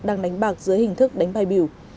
đang đánh bạc dưới hình thức đánh bài biểu